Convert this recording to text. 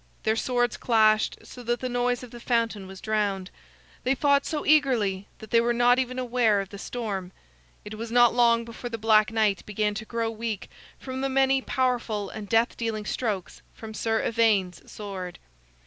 Their swords clashed so that the noise of the fountain was drowned; they fought so eagerly that they were not even aware of the storm. It was not long before the Black Knight began to grow weak from the many powerful and death dealing strokes from Sir Ivaine's sword.